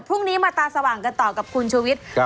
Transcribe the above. พรุ่งนี้มาตาสว่างกันต่อกับคุณชูวิทย์